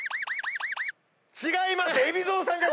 違います！